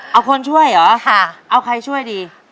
เอาคนช่วยเหรอเอาใครช่วยดี